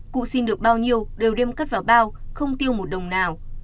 cụ xin được bao nhiêu đều đem cất vào bao không tiêu một đồng nào